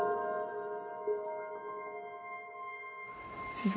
先生